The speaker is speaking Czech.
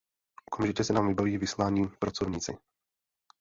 Okamžitě se nám vybaví vyslaní pracovníci.